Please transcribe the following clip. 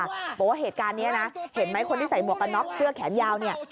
บอกว่าเหตุการณ์นี้นะเห็นไหมคนที่ใส่หมวกกันน็อกเสื้อแขนยาวเนี่ย